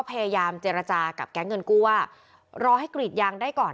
พยายามเจรจากับแก๊งเงินกู้ว่ารอให้กรีดยางได้ก่อน